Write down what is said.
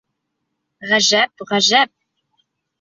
Ғәжәп, ғәжәп!